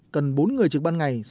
cần bốn người trực ban ngày